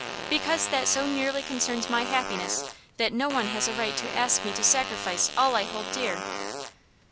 "Because that so nearly concerns my happiness that no one has a right to ask me to sacrifice all I hold dear."